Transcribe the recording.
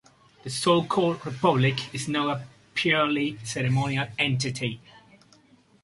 The so-called "Republic" is now a purely ceremonial entity.